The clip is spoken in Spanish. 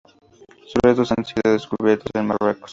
Sus restos han sido descubiertos en Marruecos.